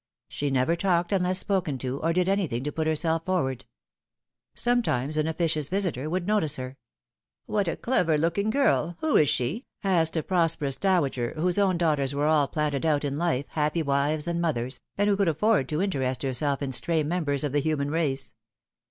She never talked unless spoken to, or did anything to put herself forward. Sometimes an officious visitor would notice her. " What a clever looking girl ! Who is she ?" asked a pros perous dowager, whose own daughters were all planted out in life, bappy wives and mothers, and who could afford to interest herself in stray members of the human race.